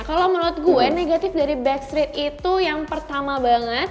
kalau menurut gue negatif dari back street itu yang pertama banget